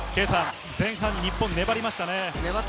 前半、日本粘りましたね。